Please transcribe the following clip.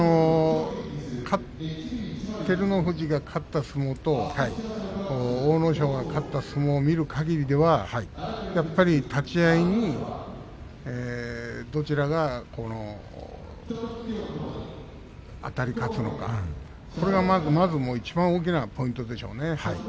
照ノ富士が勝った相撲と阿武咲が勝った相撲を見るかぎりではやっぱり立ち合いにどちらがあたり勝つのかこれがまずいちばん大きなポイントでしょうね。